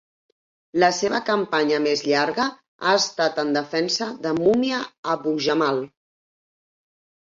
La seva campanya més llarga ha estat en defensa de Mumia Abu-Jamal.